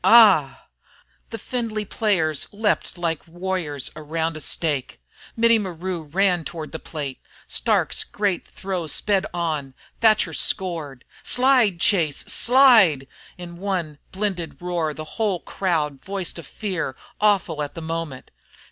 A h h!" The Findlay players leaped like warriors round a stake. Mittie Maru ran toward the plate. Starke's great throw sped on! Thatcher scored! "Slide, Chase, slide!" In one blended roar the whole crowd voiced a fear, awful at the moment.